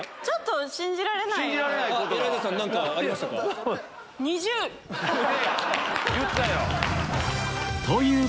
ちょっと信じられない！